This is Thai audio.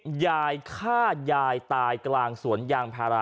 หายอย่ายฆาตยายตายกลางสวนยางพาร้า